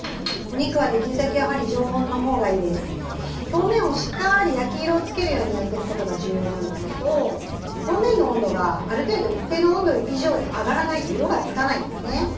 表面をしっかり焼き色をつけるように焼いてくことが重要なんですけど表面の温度がある程度一定の温度以上に上がらないと色がつかないんですね。